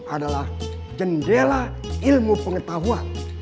adalah jendela ilmu pengetahuan